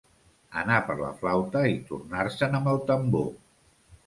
Anar per la flauta i tornar-se'n amb el tambor.